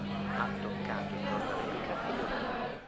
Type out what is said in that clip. Ha toccato il Nord America e l'Europa.